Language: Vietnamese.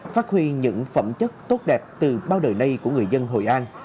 phát huy những phẩm chất tốt đẹp từ bao đời nay của người dân hội an